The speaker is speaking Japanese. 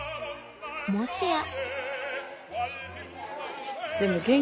もしや。